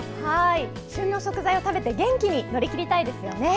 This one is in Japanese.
旬の食材を食べて元気に乗り切りたいですよね。